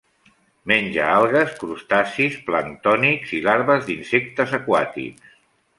Menja algues, crustacis planctònics i larves d'insectes aquàtics.